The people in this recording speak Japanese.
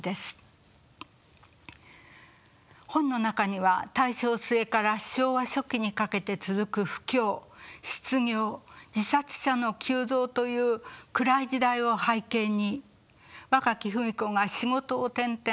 本の中には大正末から昭和初期にかけて続く不況失業自殺者の急増という暗い時代を背景に若き芙美子が仕事を転々。